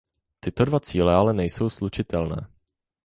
Tyto dva cíle ale nejsou neslučitelné.